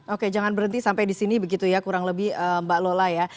oke jangan berhenti sampai di sini begitu ya kurang lebih mbak lola ya